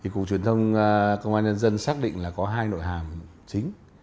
cục truyền thông công an nhân dân xác định là có hai nội hàm chính